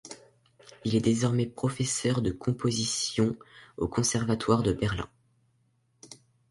Il est désormais professeur de composition au conservatoire de Berlin.